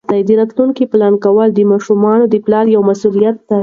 د راتلونکي پلان کول د ماشومانو د پلار یوه مسؤلیت ده.